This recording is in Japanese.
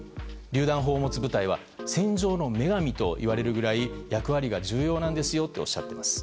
りゅう弾砲を持つ部隊は戦場の女神といわれるぐらい役割が重要なんですよとおっしゃっています。